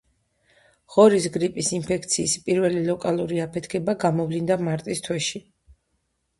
ღორის გრიპის ინფექციის პირველი ლოკალური აფეთქება გამოვლინდა მარტის თვეში.